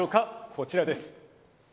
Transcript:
こちらです。